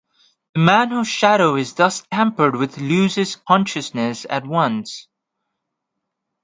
The man whose shadow is thus tampered with loses consciousness at once.